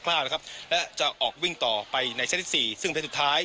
คล้าวนะครับและจะออกวิ่งต่อไปในที่สิบสามซึ่งมันจะเป็นสุดท้าย